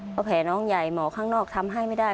เพราะแผลน้องใหญ่หมอข้างนอกทำให้ไม่ได้